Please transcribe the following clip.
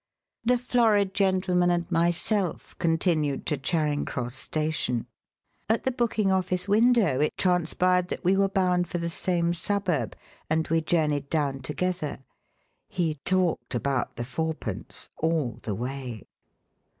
The florid gentleman and myself continued to Charing Cross Station. At the booking office window it transpired that we were bound for the same suburb, and we journeyed down together. He talked about the fourpence all the way.